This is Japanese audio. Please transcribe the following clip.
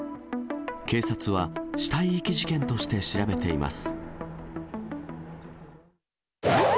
警察は死体遺棄事件として調べています。